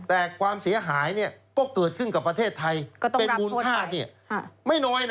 แต่ความเสียหายก็เกิดขึ้นกับประเทศไทย